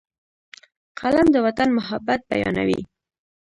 قلم د وطن محبت بیانوي